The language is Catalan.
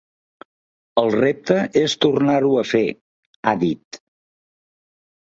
El repte és tornar-ho a fer, ha dit.